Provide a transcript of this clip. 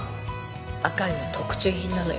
赤いの特注品なのよ